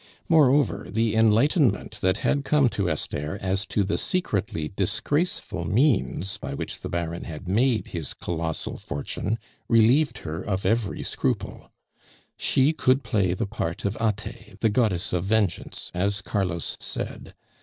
Moreover, the enlightenment that had come to Esther as to the secretly disgraceful means by which the Baron had made his colossal fortune relieved her of every scruple. She could play the part of Ate, the goddess of vengeance, as Carlos said.